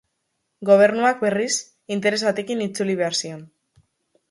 Gobernuak, berriz, interes batekin itzuli behar zion.